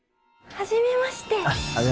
はじめまして。